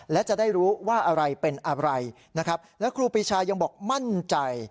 และจะได้รู้ว่าอะไรเป็นอะไรนะครับแล้วครูปีชายังบอกมั่นใจ